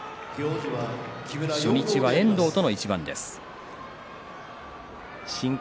初日は遠藤との一番です。